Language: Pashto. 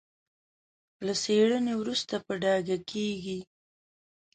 له څېړنې وروسته په ډاګه کېږي.